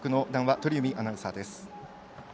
鳥海アナウンサーです。